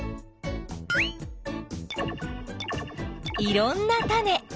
いろんなタネ。